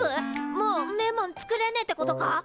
もうんめえもん作れねえってことか！？